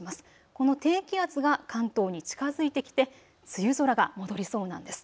この低気圧が関東に近づいてきて梅雨空が戻りそうなんです。